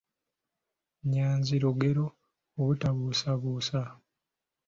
Nnyanzi lugero obutabuusabuusa